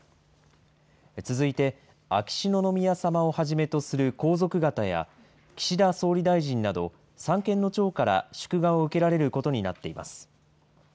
続いて、秋篠宮さまをはじめとする皇族方や、岸田総理大臣など、三権の長から祝賀を受けられることになっています。